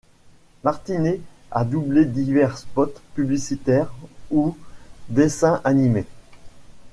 Martinet a doublé divers spots publicitaires ou dessins animés.